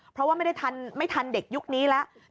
เพราะว่าไม่ได้ทันเด็กยุคนี้แล้ว